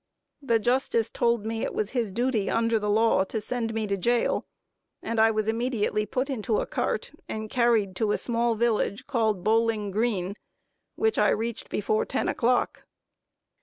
The justice told me it was his duty under the law to send me to jail; and I was immediately put into a cart, and carried to a small village called Bowling Green, which I reached before ten o'clock.